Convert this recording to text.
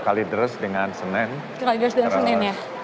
kalidres dengan senen ya